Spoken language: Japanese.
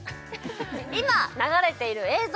今流れている映像